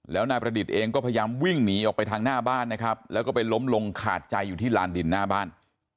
แล้วนายประดิษฐ์เองก็พยายามวิ่งหนีออกไปทางหน้าบ้านนะครับแล้วก็ไปล้มลงขาดใจอยู่ที่ลานดินหน้าบ้าน